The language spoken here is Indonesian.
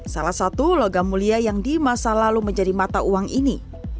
salah satu logam mulia yang di masa lalu menjadi mata uang ini